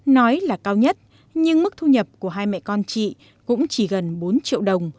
nói là cao nhất nhưng mức thu nhập của hai mẹ con chị cũng chỉ gần bốn triệu đồng